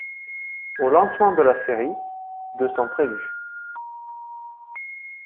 Au lancement de la série, de sont prévus.